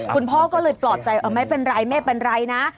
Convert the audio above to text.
คุณพ่อก็เลยปลอบใจไม่เป็นไรไม่เป็นไรนะ